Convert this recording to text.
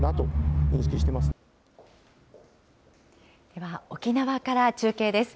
では、沖縄から中継です。